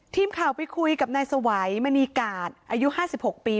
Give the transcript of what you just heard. ทีมข่าวไปคุยกับนายสวัยมณีกาศอายุ๕๖ปี